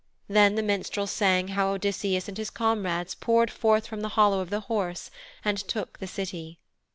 Then the minstrel sang how Odysseus and his comrades poured forth from the hollow of the horse and took the City.